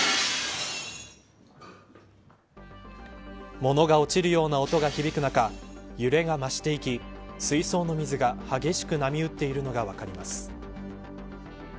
物が落ちるような音が響く中揺れが増していき水槽の水が激しく波打っているのが分かります。